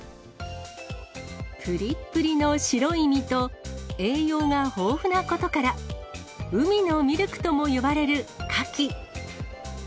ぷりっぷりの白い身と、栄養が豊富なことから、海のミルクとも呼ばれるカキ。